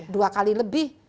dua kali lebih